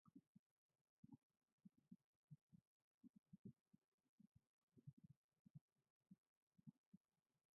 Ne jau latviešu tautai sen senis pazīstamajam dārzenim.